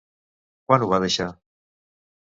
Quan ho va deixar?